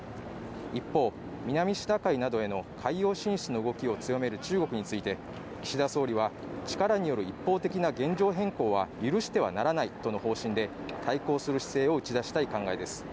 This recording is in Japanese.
一方、南シナ海などへの海洋進出の動きを強める中国について岸田総理は、力による一方的な現状変更は許してはならないとの方針で対抗する姿勢を打ち出したい考えです。